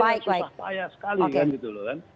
susah payah sekali kan gitu loh kan